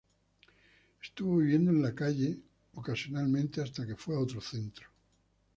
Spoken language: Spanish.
Estuvo viviendo en la calle ocasionalmente hasta que fue a otro centro.